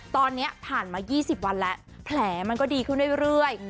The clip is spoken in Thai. ตอนนี้ผ่านมา๒๐วันแล้วแผลมันก็ดีขึ้นเรื่อย